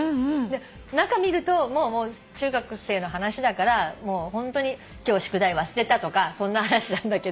中見るともう中学生の話だから今日宿題忘れたとかそんな話なんだけど。